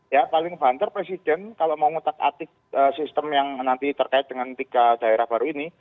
ya paling banter presiden kalau mau ngutak atik sistem yang nanti terkait dengan tiga daerah baru ini